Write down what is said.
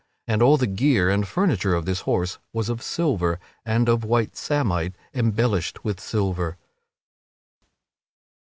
And all the gear and furniture of this horse was of silver and of white samite embellished with silver.